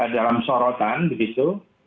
dalam sorotan begitu